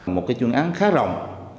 một cái chuyên án khá rồng